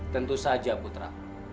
tentu saja putra